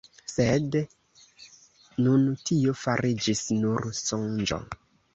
Sed nun tio fariĝis nur sonĝo.